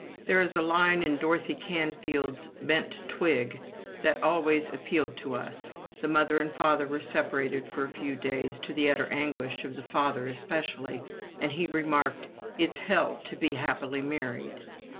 There is a line in Dorothy Canfield's "Bent Twig" that always appealed to us. The mother and father were separated for a few days, to the utter anguish of the father especially, and he remarked, "It's Hell to be happily married!"